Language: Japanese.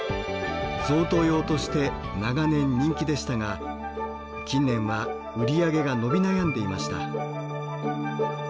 贈答用として長年人気でしたが近年は売り上げが伸び悩んでいました。